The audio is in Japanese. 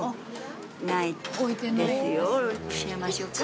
教えましょうか？